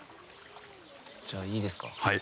じゃあ、いいですか。